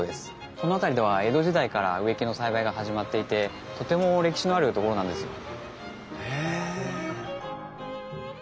この辺りでは江戸時代から植木の栽培が始まっていてとても歴史のある所なんですよ。へえ。